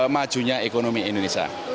majunya ekonomi indonesia